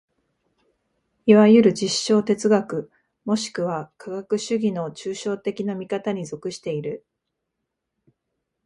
いわゆる実証哲学もしくは科学主義の抽象的な見方に属している。